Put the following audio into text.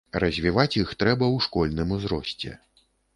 Развіваць іх трэба ў школьным узросце.